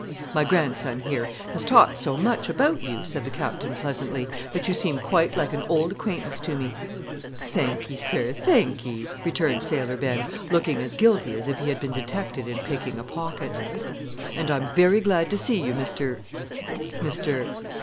"My grandson, here, has talked so much about you," said the Captain, pleasantly, "that you seem quite like an old acquaintance to me." "Thankee, sir, thankee," returned Sailor Ben, looking as guilty as if he had been detected in picking a pocket. "And I'm very glad to see you, Mr. Mr.